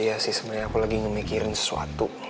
iya sih sebenarnya aku lagi ngemikirin sesuatu